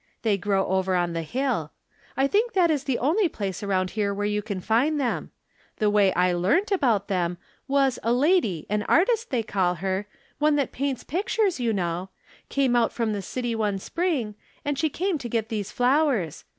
They grow over on the hUl. I think that is the only place around here where you can find them. The way I learnt about them was, a lady, an artist, they call her — one that paints pictures, you know — came out from the city one spring, and she came to get these flowers.